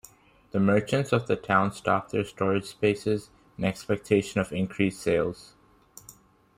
The merchants of the town stocked their storage spaces in expectation of increased sales.